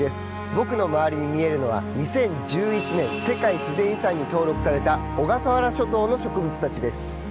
僕の周りに見えるのは２０１１年世界自然遺産に登録された小笠原諸島の植物たちです。